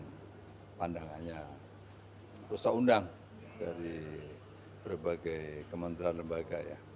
tapi ini bukan pandangannya perusahaan undang dari berbagai kementerian lembaga ya